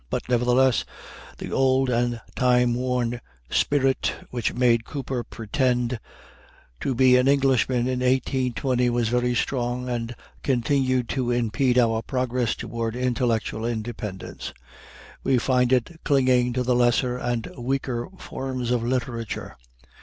But, nevertheless, the old and time worn spirit which made Cooper pretend to be an Englishman in 1820 was very strong, and continued to impede our progress toward intellectual independence. We find it clinging to the lesser and weaker forms of literature.